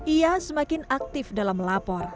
ia semakin aktif dalam melapor